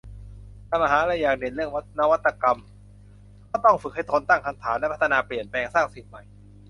ถ้ามหาลัยอยากเด่นเรื่องนวัตกรรม ก็ต้องฝึกให้คนตั้งคำถาม และพัฒนาเปลี่ยนแปลงสร้างสิ่งใหม่